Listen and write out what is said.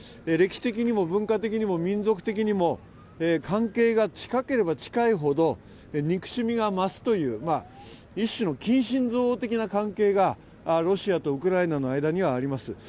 歴史的にも文化的にも民族的にも関係が近ければ近いほど憎しみが増すという、一種の近親憎悪的な関係がロシアとウクライナの間にはあります。